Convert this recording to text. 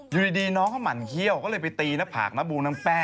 อยู่ดีน้องเขาหมั่นเขี้ยวก็เลยไปตีหน้าผากน้ำบูน้ำแป้